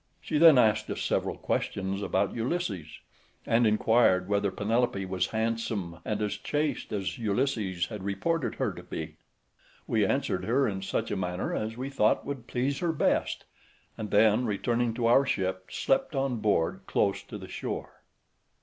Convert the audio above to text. She then asked us several questions about Ulysses, and inquired whether Penelope was handsome and as chaste as Ulysses had reported her to be. We answered her in such a manner as we thought would please her best; and then returning to our ship, slept on board close to the shore.